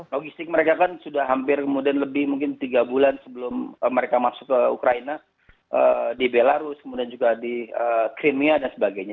logistik mereka kan sudah hampir kemudian lebih mungkin tiga bulan sebelum mereka masuk ke ukraina di belarus kemudian juga di crimea dan sebagainya